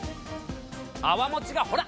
泡もちがほら！